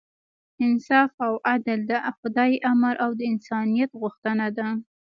انصاف او عدل د خدای امر او د انسانیت غوښتنه ده.